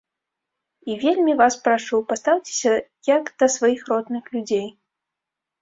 І вельмі вас прашу, пастаўцеся як да сваіх родных людзей.